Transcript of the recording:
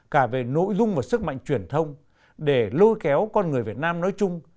cả về nội dung và sức mạnh truyền thông để lôi kéo con người việt nam nói chung